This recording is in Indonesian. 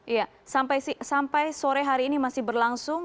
iya sampai sore hari ini masih berlangsung